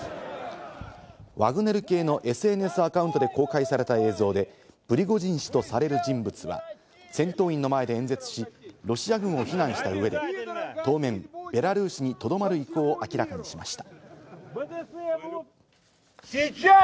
ワグネル系のＳＮＳアカウントで公開された映像で、プリゴジン氏とされる人物は、戦闘員の前で演説し、ロシア軍を非難した上で、当面ベラルーシにとどまる意向を明らかにしました。